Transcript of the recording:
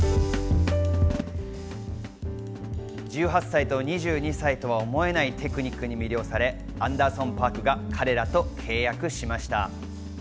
１８歳と２２歳とは思えないテクニックに魅了され、アンダーソン・パークが彼らと契約しました。